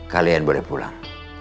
kalian boleh pulang